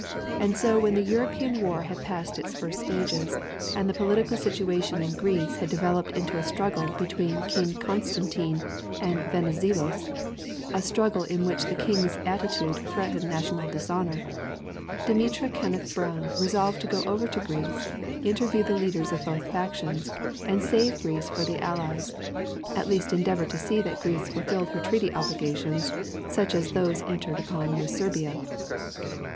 And so when the European War had passed its first stages and the political situation in Greece had de veloped into a struggle between King Constantine and Venizelos, a struggle in which the King's attitude threatened national dishonor, Demetra Kenneth Brown resolved to go over to Greece, interview the leaders of both factions, and save Greece for the Allies at least endeavor to see that Greece fulfilled her treaty ob ligations, such as those entered upon with Serbia.